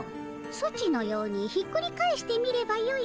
ソチのようにひっくり返してみればよいのじゃ。